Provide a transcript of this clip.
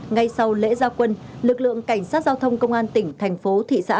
ngay sau lễ gia quân lực lượng cảnh sát giao thông công an tỉnh thành phố thị xã